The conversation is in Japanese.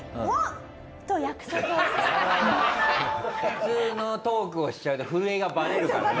普通のトークをしちゃうと震えがバレるからね。